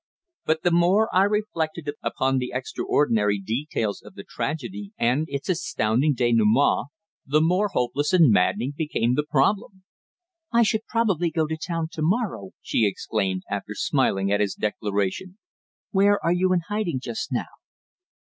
But the more I reflected upon the extraordinary details of the tragedy and its astounding dénouement, the more hopeless and maddening became the problem. "I shall probably go to town to morrow," she exclaimed, after smiling at his declaration. "Where are you in hiding just now?"